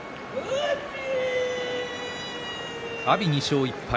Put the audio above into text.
阿炎２勝１敗。